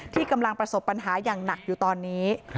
ที่กำลังประสบปัญหาอย่างหนักอยู่ตอนนี้